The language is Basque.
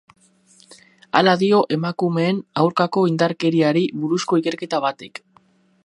Hala dio emakumeen aurkako indarkeriari buruzko ikerketa batek.